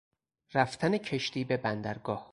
رفتن کشتی به بندرگاه